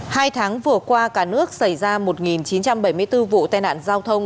hai tháng vừa qua cả nước xảy ra một chín trăm bảy mươi bốn vụ tai nạn giao thông